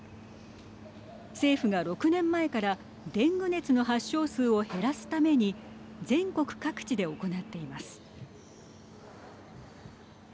政府が６年前からデング熱の発症数を減らすために全国各地で行っています。